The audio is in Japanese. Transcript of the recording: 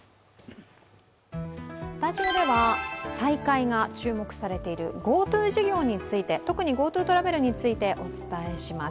スタジオでは再開が注目されているＧｏＴｏ事業について特にＧｏＴｏトラベルについてお伝えします。